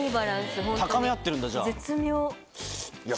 高め合ってるんだじゃあ。